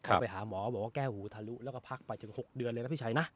เขาไปหาหมอบอกว่าแก้หูทะลุแล้วก็พักไปถึง๖เดือนเลยนะพี่ชัยนะ